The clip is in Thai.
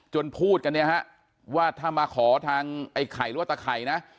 จนพูดกันว่าถ้ามาขอทางไอ้ไข่หรือว่าตะไข่นะ